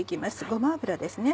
ごま油ですね。